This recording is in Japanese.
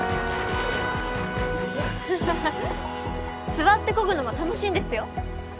座ってこぐのも楽しいんですよ。